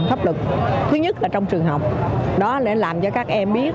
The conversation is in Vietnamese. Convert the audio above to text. thấp lực thứ nhất là trong trường học đó là làm cho các em biết